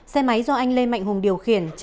xe máy do anh lê mạnh hùng điều khiển